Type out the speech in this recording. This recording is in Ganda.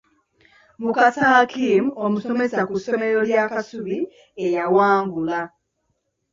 Mukasa Hakim omusomesa ku ssomero lya Kasubi eya waGgulu.